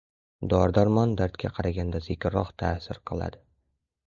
Dori-darmon dardga qaraganda sekinroq ta’sir qiladi.